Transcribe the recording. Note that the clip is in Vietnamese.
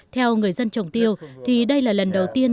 theo người dân trồng tiêu thì đây là lần đầu tiên